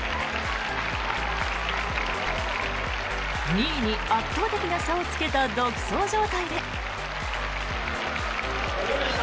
２位に圧倒的な差をつけた独走状態で。